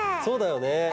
そうだよね。